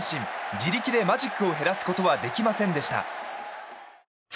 自力でマジックを減らすことはできませんでした。